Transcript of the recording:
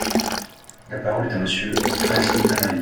La parole est à Monsieur Razzy Hammadi.